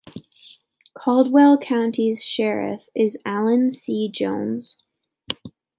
Caldwell County's sheriff is Alan C. Jones.